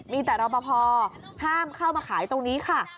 มีแต่รอปภห้ามเข้ามาขายตรงนี้ค่ะ